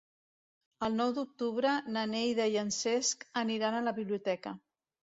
El nou d'octubre na Neida i en Cesc aniran a la biblioteca.